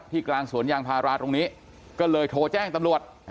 กลางสวนยางพาราตรงนี้ก็เลยโทรแจ้งตำรวจ